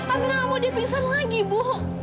amira gak mau dia pingsan lagi bu